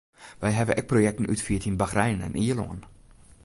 Wy hawwe ek projekten útfierd yn Bachrein en Ierlân.